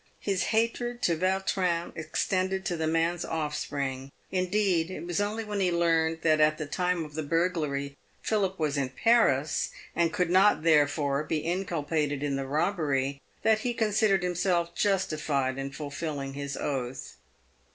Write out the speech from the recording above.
His hatred to Vautrin extended to the man's offspring; indeed, it was only when he learned that at the time of the burglary Philip was in Paris, and could not, therefore, be inculpated in the robbery, that he considered himself justified in fulfilling his oath.